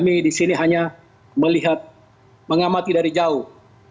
kami di sini hanya melihat mengamati dari jauh